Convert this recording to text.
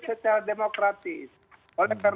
setelah demokratis oleh